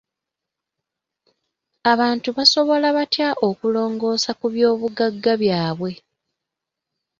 Abantu basobola batya okulongoosa ku by'obugagga byabwe.